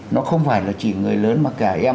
nó không phải là chỉ người lớn mà cả em